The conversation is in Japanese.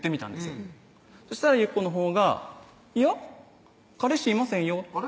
よそしたらゆっこのほうが「いや彼氏いませんよ」